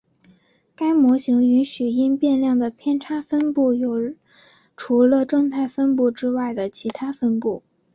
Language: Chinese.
该模型允许因变量的偏差分布有除了正态分布之外的其它分布。